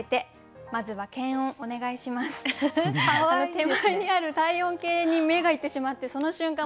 手前にある体温計に目がいってしまってその瞬間